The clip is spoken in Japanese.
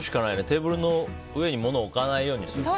テーブルの上に物を置かないようにしないと。